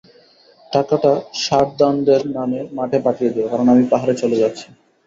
টাকাটা সারদানন্দের নামে মঠে পাঠিয়ে দিও, কারণ আমি পাহাড়ে চলে যাচ্ছি।